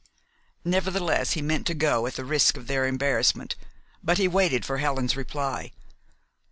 Nevertheless, he meant to go, at the risk of their embarrassment; but he waited for Helen's reply.